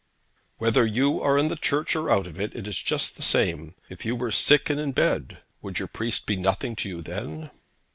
'Whether you are in the church or out of it, is just the same. If you were sick and in bed, would your priest be nothing to you then?'